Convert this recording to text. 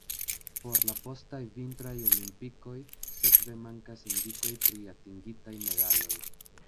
Por la postaj Vintraj Olimpikoj sekve mankas indikoj pri atingitaj medaloj.